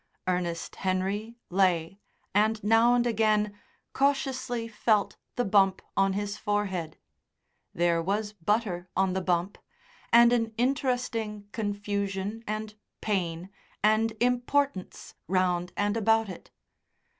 Ernest Henry lay and, now and again, cautiously felt the bump on his forehead; there was butter on the bump, and an interesting confusion and pain and importance round and about it.